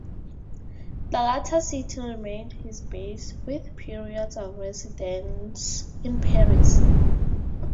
The latter city remained his base, with periods of residence in Paris.